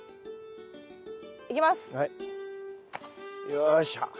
よいしょ。